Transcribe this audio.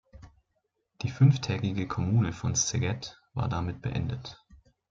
Die fünftägige Kommune von Szeged war damit beendet.